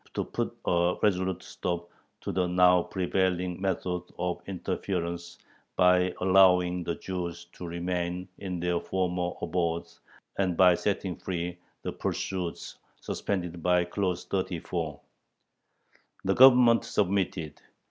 to put a resolute stop to the now prevailing methods of interference by allowing the Jews to remain in their former abodes and by setting free the pursuits suspended by Clause 34." The Government submitted.